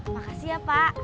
makasih ya pak